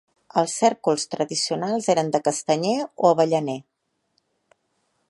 Els cèrcols tradicionals eren de castanyer o avellaner.